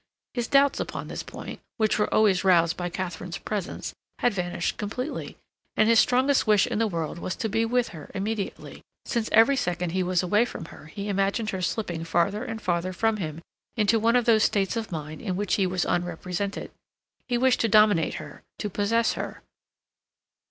His doubts upon this point, which were always roused by Katharine's presence, had vanished completely, and his strongest wish in the world was to be with her immediately, since every second he was away from her he imagined her slipping farther and farther from him into one of those states of mind in which he was unrepresented. He wished to dominate her, to possess her.